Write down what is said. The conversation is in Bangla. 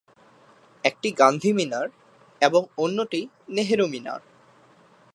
একটি "গান্ধী মিনার" এবং অন্যটি "নেহেরু মিনার"।